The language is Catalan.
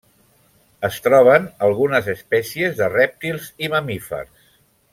Es troben algunes espècies de rèptils i mamífers.